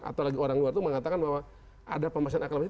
atau lagi orang luar itu mengatakan bahwa ada pemasukan aklamasi